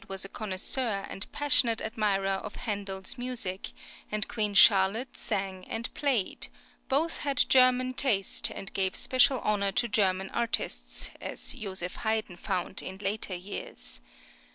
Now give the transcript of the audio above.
was a connoisseur and passionate admirer of Handel's music, and Queen Charlotte sang and played; both had German taste, and gave special honour to German artists, as Jos. Haydn found in later years.